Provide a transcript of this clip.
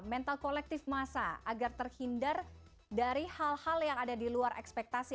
mental kolektif masa agar terhindar dari hal hal yang ada di luar ekspektasi